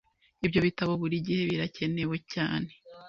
Ibyo bitabo buri gihe birakenewe cyane.